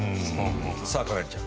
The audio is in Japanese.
さあ花恋ちゃん。